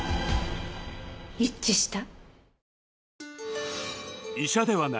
一致した。